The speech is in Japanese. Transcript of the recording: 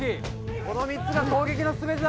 この３つが攻撃の全てだ！